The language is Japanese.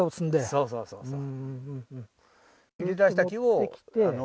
そうそうそうそう。